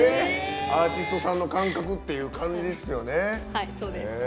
アーティストさんの感覚っていう感じですよね。